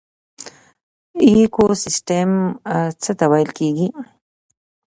ایکوسیستم څه ته ویل کیږي